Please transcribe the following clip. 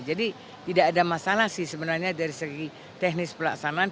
jadi tidak ada masalah sih sebenarnya dari segi teknis pelaksanaan